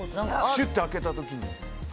シュって開けた時に。